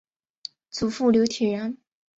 祖父刘体仁。